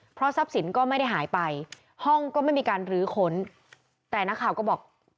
เพราะทรัพย์สินก็ไม่ได้หายไปห้องก็ไม่มีการลื้อค้นแต่นักข่าวก็บอก